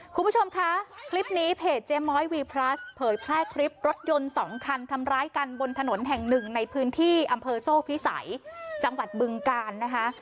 คุณผู้ชมคะคลิปนี้เพจเจ๊ม้อยวีพลัสเผยแพร่คลิปรถยนต์สองคันทำร้ายกันบนถนนแห่งหนึ่งในพื้นที่อำเภอโซ่พิสัยจังหวัดบึงกาลนะคะ